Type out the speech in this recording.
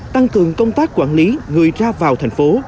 tăng cường công tác quản lý người ra vào thành phố